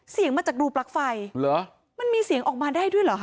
เสียงมาจากรูปลั๊กไฟเหรอมันมีเสียงออกมาได้ด้วยเหรอค